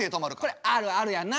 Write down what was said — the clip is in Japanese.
これあるあるやな。